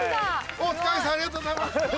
お疲れさんありがとうございます。